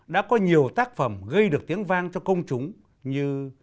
đã có nhiều tác phẩm gây được tiếng vang cho công chúng như